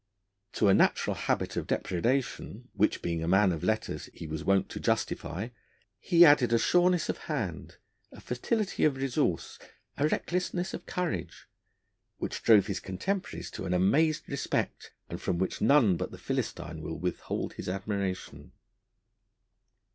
To a natural habit of depredation, which, being a man of letters, he was wont to justify, he added a sureness of hand, a fertility of resource, a recklessness of courage which drove his contemporaries to an amazed respect, and from which none but the Philistine will withhold his admiration.